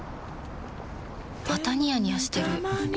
またニヤニヤしてるふふ。